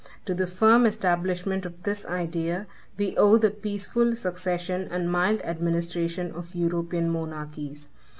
To the firm establishment of this idea we owe the peaceful succession and mild administration of European monarchies.